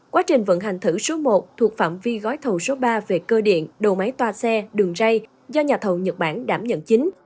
quá trình vận hành thử số một thuộc phạm vi gói thầu số ba về cơ điện đầu máy toa xe đường dây do nhà thầu nhật bản đảm nhận chính